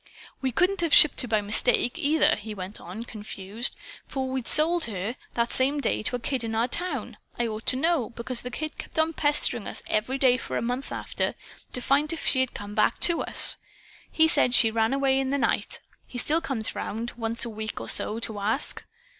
"We couldn't have shipped her by mistake, either," he went on, confused. "For we'd sold her, that same day, to a kid in our town. I ought to know. Because the kid kept on pestering us every day for a month afterward, to find if she had come back to us. He said she ran away in the night. He still comes around, once a week or so, to ask.